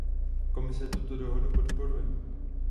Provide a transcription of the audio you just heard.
Komise tuto dohodu podporuje.